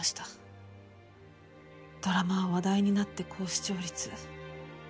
ドラマは話題になって高視聴率。